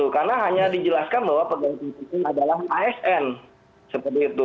karena hanya dijelaskan bahwa pegawai itu adalah asn seperti itu